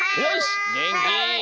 げんき。